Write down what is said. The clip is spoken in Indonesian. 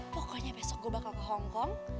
pokoknya besok gue bakal ke hongkong